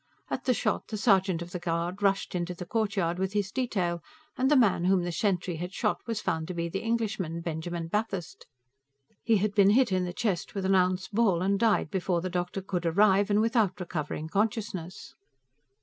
At the shot, the Sergeant of the Guard rushed into the courtyard with his detail, and the man whom the sentry had shot was found to be the Englishman, Benjamin Bathurst. He had been hit in the chest with an ounce ball, and died before the doctor could arrive, and without recovering consciousness.